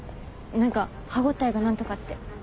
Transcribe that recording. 何か歯ごたえがなんとかって。